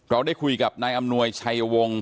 เราได้คุยกับนายอำนวยชัยวงศ์